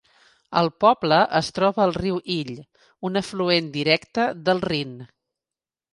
El poble es troba al riu Ill, un afluent directe del Rhin.